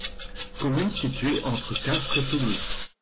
Commune située entre Castres et Toulouse.